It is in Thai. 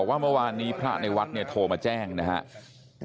ว่าเมื่อวานนี้พระในวัดเนี่ยโทรมาแจ้งนะครับ